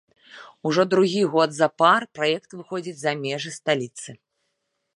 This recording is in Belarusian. Ужо другі год запар праект выходзіць за межы сталіцы.